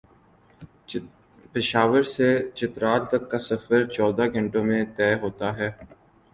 پشاورسے چترال تک کا سفر چودہ گھنٹوں میں طے ہوتا ہے ۔